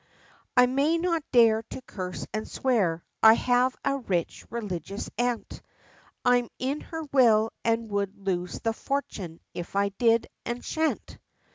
"I may not dare to curse and swear. I have a rich, religious aunt, I'm in her will, and I would lose the fortune if I did, and shan't.